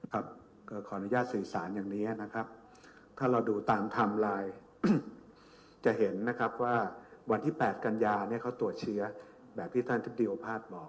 ขออนุญาตสื่อสารอย่างนี้นะครับถ้าเราดูตามไทม์ไลน์จะเห็นนะครับว่าวันที่๘กันยาเนี่ยเขาตรวจเชื้อแบบที่ท่านทิศดีโอภาษย์บอก